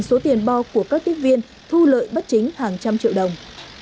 số tiền bo của các tiếp viên thu lợi bất chính hàng trăm triệu đồng